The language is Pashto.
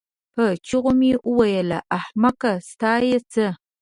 په چيغو مې وویل: احمقې ستا یې څه؟